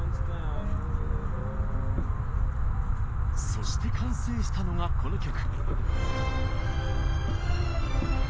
そして完成したのがこの曲。